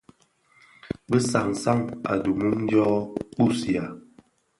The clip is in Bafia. Bi san san a di mum dyō kpusiya.